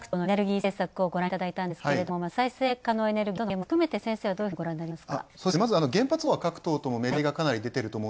今、各党のエネルギー政策をごらんいただいてんですが、再生可能エネルギーとの関係も含めて先生はどうご覧になりますか？